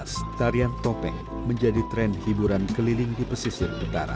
pada abad ke lima belas hingga enam belas tarian topeng menjadi tren hiburan keliling di pesisir negara